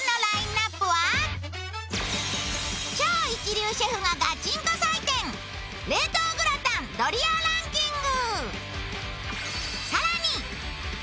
超一流シェフがガチンコ採点、冷凍グラタン、ドリアランキング。